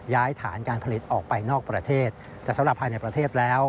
ฐานการผลิตออกไปนอกประเทศแต่สำหรับภายในประเทศแล้ว